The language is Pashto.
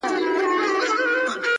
• کله وخت کله ناوخته مي وهلی ,